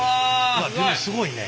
うわっでもすごいね。